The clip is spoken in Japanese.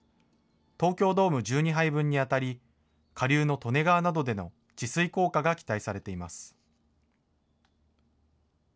東京ドーム１２杯分に当たり、下流の利根川などでの治水効果が期待されています。